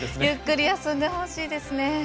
ゆっくり休んでほしいですね。